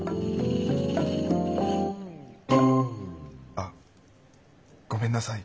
あっごめんなさい